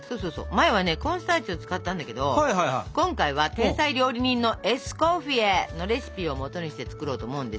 前はコーンスターチを使ったんだけど今回は天才料理人のエスコフィエのレシピをもとにして作ろうと思うんです。